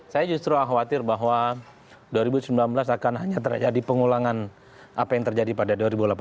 saya justru khawatir bahwa dua ribu sembilan belas akan hanya terjadi pengulangan apa yang terjadi pada dua ribu delapan belas